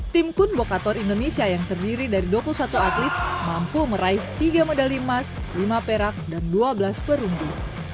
tim kun bokator indonesia yang terdiri dari dua puluh satu atlet mampu meraih tiga medali emas lima perak dan dua belas perunggu